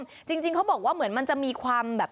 ง่ายนะคุณผู้ชมจริงเขาบอกว่าเหมือนมันจะมีความแบบ